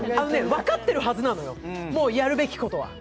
分かってるはずなのよ、もうやるべきことは。